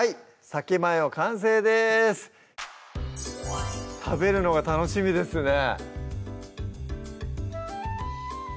「さけマヨ」完成です食べるのが楽しみですね